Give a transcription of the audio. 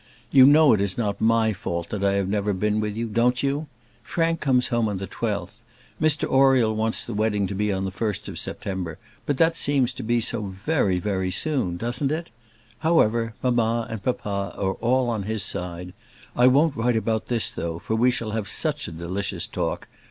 You know it is not my fault that I have never been with you; don't you? Frank comes home on the 12th. Mr Oriel wants the wedding to be on the 1st of September; but that seems to be so very, very soon; doesn't it? However, mamma and papa are all on his side. I won't write about this, though, for we shall have such a delicious talk.